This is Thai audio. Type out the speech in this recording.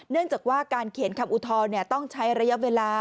เนื่องจากว่าการเขียนคำอุทธรณ์ต้องใช้ระยะเวลา